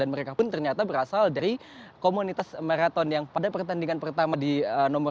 dan mereka pun ternyata berasal dari komunitas maraton yang pada pertandingan pertama di nomor satu